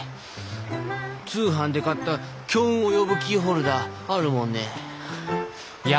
通販で買った強運を呼ぶキーホルダーあるもんね。